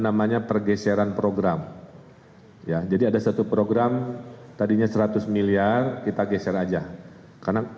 namanya pergeseran program ya jadi ada satu program tadinya seratus miliar kita geser aja karena